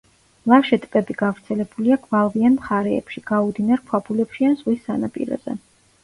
მლაშე ტბები გავრცელებულია გვალვიან მხარეებში, გაუდინარ ქვაბულებში ან ზღვის სანაპიროზე.